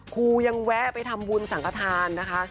ครูยังแวะไปทำบุญสังขทานนะคะ